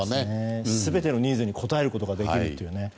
全てのニーズに応えることができるんですよね。